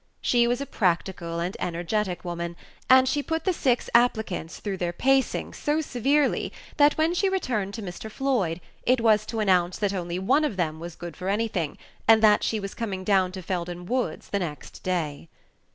She was a practical and energetic woman, and she put the six applicants through their facings so severely that when she returned to Mr. Floyd it was to announce that only one of them was good for anything, and that she was coming down to Felden Woods the next day.